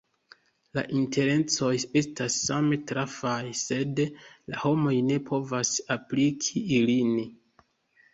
La intencoj estas same trafaj, sed la homoj ne povos apliki ilin.